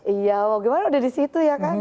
iya wah gimana udah di situ ya kan